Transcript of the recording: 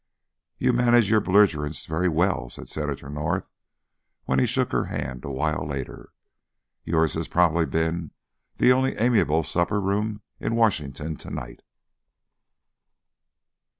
"You manage your belligerents very well," said Senator North, when he shook her hand awhile later. "Yours has probably been the only amiable supper room in Washington to night."